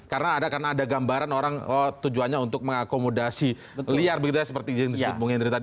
karena ada gambaran orang tujuannya untuk mengakomodasi liar begitu ya seperti yang disebut bung hendry tadi